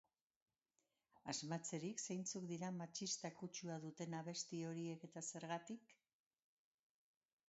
Asmatzerik zeintzuk dira matxista kutsua duten abesti horiek eta zergatik?